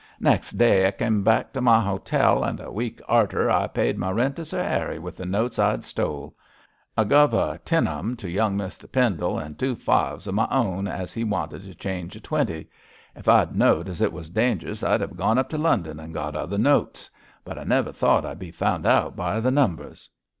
Nex' day I come back to m' hotel, and a week arter I paid m' rent to Sir 'Arry with the notes I'd stole. I guv a ten of 'em to young Mr Pendle, and two fives of m' own, as he wanted to change a twenty. If I'd know'd as it was dangerous I'd hev gone up to London and got other notes; but I never thought I'd be found out by the numbers.